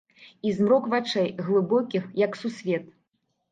І змрок вачэй, глыбокіх, як сусвет.